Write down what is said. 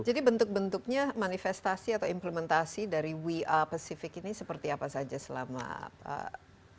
jadi bentuk bentuknya manifestasi atau implementasi dari we are pasifik ini seperti apa saja selama